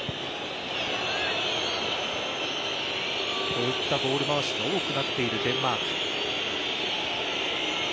こういったボール回しが多くなっているデンマーク。